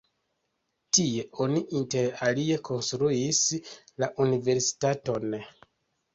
Tie oni inter alie konstruis la universitaton.